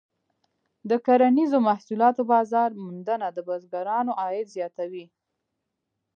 د کرنیزو محصولاتو بازار موندنه د بزګرانو عاید زیاتوي.